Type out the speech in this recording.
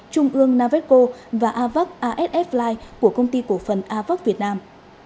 trung ương naveco và avac asf li của công ty cổ phần avac việt nam